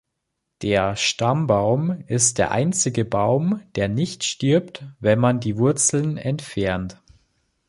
Der Stammbaum ist der einzige Baum, der nicht stirbt, wenn man die Wurzeln entfernt.